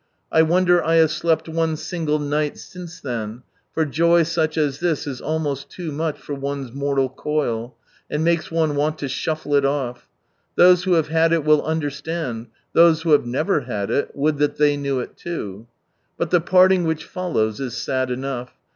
I wonder I have slept one single night since then, for joy such as this is almost too much for one's " mortal coil," and makes one want to "shuffle" it ofT! Those who have had it will understand, those who have never had it — would that they knew it too ! But the parting which follows is sad enovigh.